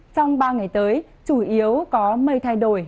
trong ba ngày tới chủ yếu có mây thay đổi